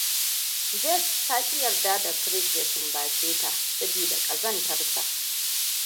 Beth ta ƙi yarda Chris ya sumbace ta, sabida ƙazantarsa.